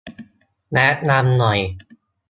แนะนำหน่อย